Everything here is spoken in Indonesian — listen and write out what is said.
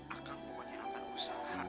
akang pokoknya akan usaha